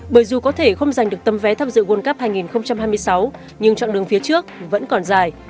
bởi dù có thể không giành được tấm vé tham dự world cup hai nghìn hai mươi sáu nhưng chọn đường phía trước vẫn còn dài